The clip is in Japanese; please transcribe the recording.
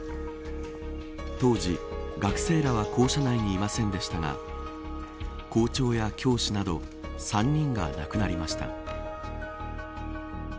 当時、学生らは校舎内にいませんでしたが校長や教師など３人が亡くなりました。